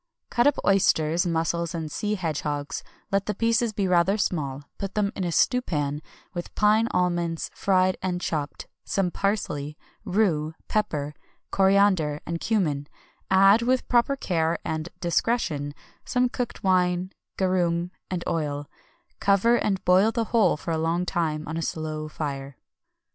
Cut up oysters, muscles, and sea hedgehogs; let the pieces be rather small; put them into a stewpan with pine almonds, fried and chopped, some parsley, rue, pepper, coriander, and cummin; add, with proper care and discretion, some cooked wine, garum, and oil; cover, and boil the whole for a long time on a slow fire.